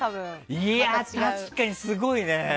確かに、すごいね。